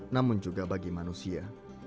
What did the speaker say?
namun juga bagi manusia